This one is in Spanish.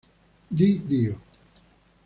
Di Dio.